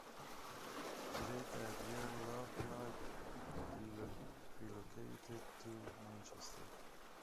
Late that year Lovelock relocated to Manchester.